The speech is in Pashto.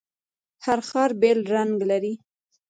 هر ښار بیل رنګ لري.